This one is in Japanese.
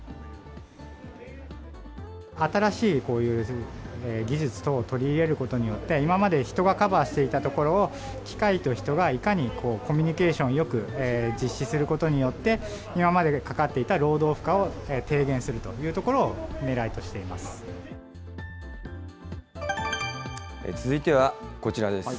新しいこういう技術等を取り入れることによって、今まで人がカバーしていたところを、機械と人がいかにコミュニケーションよく実施することによって、今までかかっていた労働負荷を低減するというところをねらいとし続いてはこちらです。